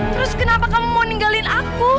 terus kenapa kamu mau ninggalin aku